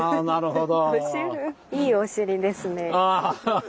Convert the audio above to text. いいお尻ですね。